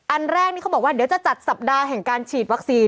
อันแรกนี่เขาบอกว่าเดี๋ยวจะจัดสัปดาห์แห่งการฉีดวัคซีน